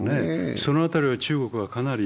その辺りは中国は、かなり。